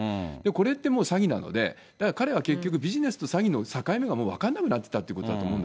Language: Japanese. これってもう詐欺なので、だから、彼は結局、ビジネスの詐欺の境目がもう分かんなくなってたってこじゃあ、